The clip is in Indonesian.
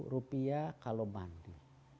rp dua kalau mandi